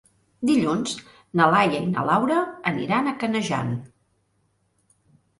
Dilluns na Laia i na Laura aniran a Canejan.